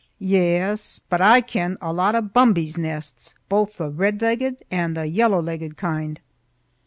"Yes, but I ken a lot of bumbee's nests, baith the red legged and the yellow legged kind."